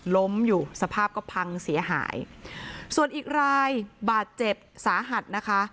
ล้มอยู่สภาพก็พังเสียหายส่วนอีกรายบาดเจ็บสาหัสนะคะ